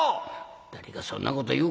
「誰がそんなこと言うか」。